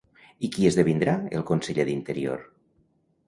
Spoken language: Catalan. I qui esdevindrà el conseller d'Interior?